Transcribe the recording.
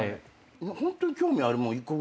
ホントに興味あるもの１個ぐらい。